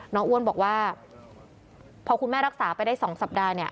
อ้วนบอกว่าพอคุณแม่รักษาไปได้๒สัปดาห์เนี่ย